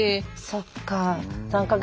そっか。